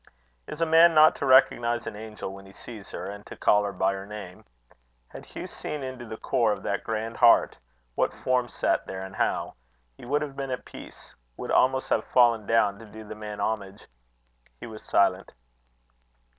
Is a man not to recognize an angel when he sees her, and to call her by her name? Had Hugh seen into the core of that grand heart what form sat there, and how he would have been at peace would almost have fallen down to do the man homage. He was silent.